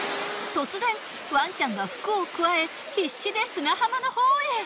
突然ワンちゃんが服をくわえ必死で砂浜のほうへ。